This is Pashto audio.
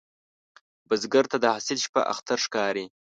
بزګر ته د حاصل شپه اختر ښکاري